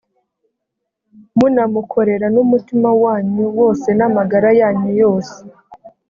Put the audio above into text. munamukorera n’umutima wanyu wose n’amagara yanyu yose,